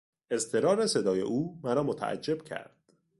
اضطرار صدای او مرا متعجب کرد.